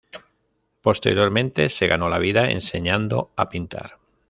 Posteriormente, se ganó la vida enseñando a pintar.